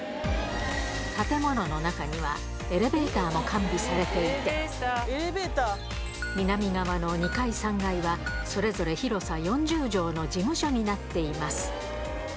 建物の中にはエレベーターも完備されていて、南側の２階、３階はそれぞれ広さ４０畳の事務所になっています。